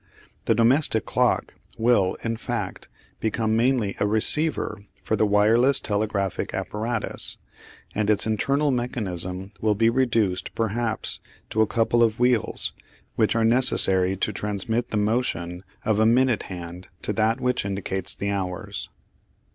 The domestic clock will, in fact, become mainly a "receiver" for the wireless telegraphic apparatus, and its internal mechanism will be reduced, perhaps, to a couple of wheels, which are necessary to transmit the motion of a minute hand to that which indicates the hours.